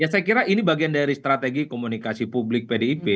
ya saya kira ini bagian dari strategi komunikasi publik pdip